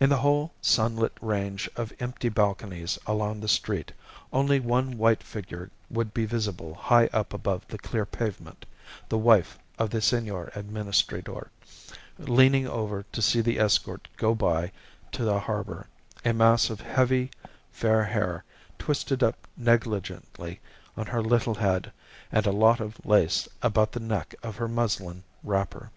In the whole sunlit range of empty balconies along the street only one white figure would be visible high up above the clear pavement the wife of the Senor Administrador leaning over to see the escort go by to the harbour, a mass of heavy, fair hair twisted up negligently on her little head, and a lot of lace about the neck of her muslin wrapper.